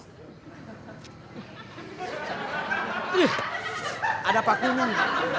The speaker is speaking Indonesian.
ih ada paku nang